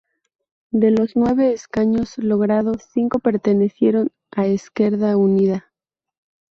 De los nueve escaños logrados, cinco pertenecieron a Esquerda Unida.